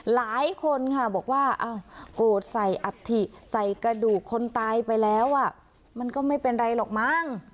หลายคนค่ะบอกว่าโกรธใส่อัฐิใส่กระดูกคนตายไปแล้วมันก็ไม่เป็นไรหรอกมั้ง